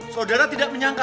saudara tidak menyangka